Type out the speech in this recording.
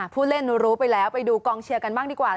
ผู้เล่นรู้ไปแล้วไปดูกองเชียร์กันบ้างดีกว่า